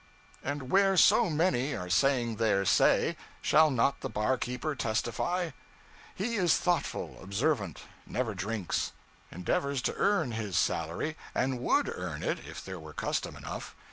And where so many are saying their say, shall not the barkeeper testify? He is thoughtful, observant, never drinks; endeavors to earn his salary, and _would _earn it if there were custom enough.